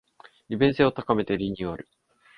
利便性を高めてリニューアル